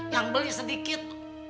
yang beli sedikit